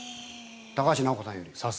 高橋尚子さんより。